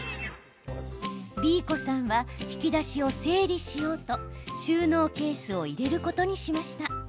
Ｂ子さんは引き出しを整理しようと収納ケースを入れることにしました。